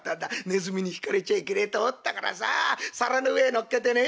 「ネズミにひかれちゃいけねえと思ったからさあ皿の上へ載っけてね